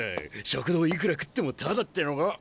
食堂いくら食ってもタダってのが。